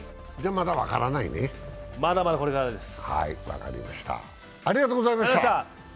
まだまだこれからです。